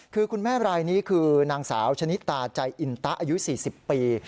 คือคุณแม่รายนี้คือนางสาวชะนิตาใจอินตะอายุ๔๐ปี